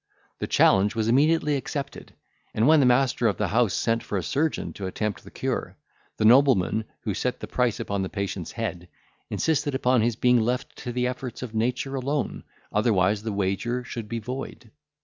The challenge was immediately accepted; and when the master of the house sent for a surgeon to attempt the cure, the nobleman, who set the price upon the patient's head, insisted upon his being left to the efforts of nature alone, otherwise the wager should be void.